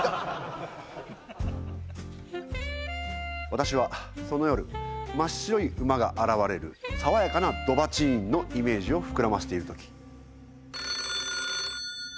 私はその夜真っ白い馬が現れる爽やかな「ドバチン」のイメージを膨らましている時。